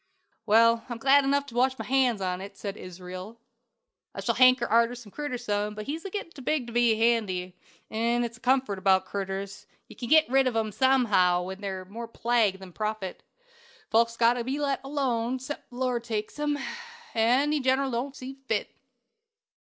"Well, I'm glad enough to wash my hands on 't," said Israel. "I shall hanker arter the critter some, but he's a gettin' too big to be handy; 'n it's one comfort about critters, you ken git rid on 'em somehaow when they're more plague than profit. But folks has got to be let alone, excep' the Lord takes 'em; an' He generally don't see fit."